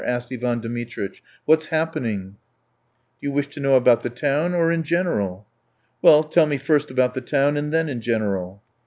asked Ivan Dmitritch; "what's happening?" "Do you wish to know about the town or in general?" "Well, tell me first about the town, and then in general."